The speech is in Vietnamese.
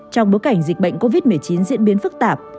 trong bối cảnh dịch bệnh covid một mươi chín diễn biến phức tạp